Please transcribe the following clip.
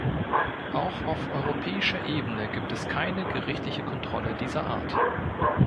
Auch auf europäischer Ebene gibt es keine gerichtliche Kontrolle dieser Art.